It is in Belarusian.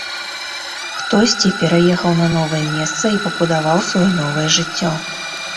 Хтосьці пераехаў на новае месца і пабудаваў сваё новае жыццё.